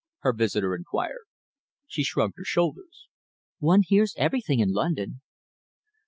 her visitor inquired. She shrugged her shoulders. "One hears everything in London."